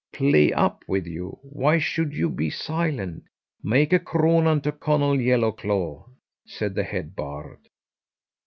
'Play up with you, why should you be silent? Make a cronan to Conall Yellowclaw,' said the head bard.